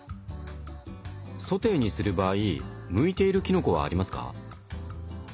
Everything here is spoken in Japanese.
ソテーにする場合向いているきのこはありますか？